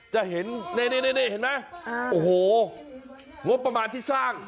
จะเห็นนี่นี่นี่นี่เห็นไหมอ่าโอ้โหงบประมาณที่สร้าง